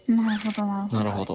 なるほど。